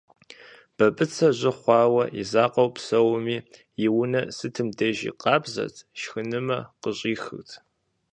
Бабыцэ жьы хъуауэ и закъуэу псэуми, и унэр сытым дежи къабзэт, шхынымэ къыщӏихырт.